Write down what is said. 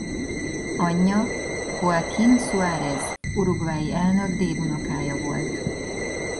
Anyja Joaquín Suárez uruguayi elnök dédunokája volt.